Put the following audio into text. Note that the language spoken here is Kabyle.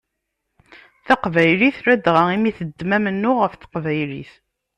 Taqbaylit ladɣa i mi teddem amennuɣ ɣef teqbaylit.